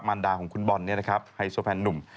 มันดาของคุณบอลนี่นะครับไฮโซแพนหนุ่ม